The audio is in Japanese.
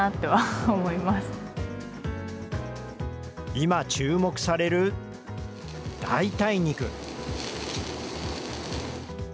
今、注目される代替肉。